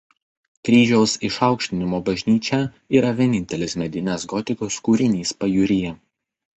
Kryžiaus Išaukštinimo bažnyčia yra vienintelis medinės gotikos kūrinys pajūryje.